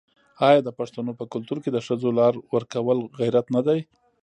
آیا د پښتنو په کلتور کې د ښځو لار ورکول غیرت نه دی؟